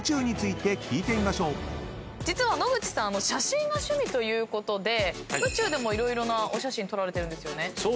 実は野口さん写真が趣味ということで宇宙でも色々なお写真撮られてるんですよね。